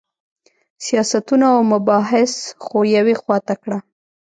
سیاستونه او مباحث خو یوې خوا ته کړه.